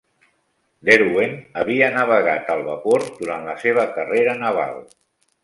"Derwent" havia navegat al vapor durant la seva carrera naval.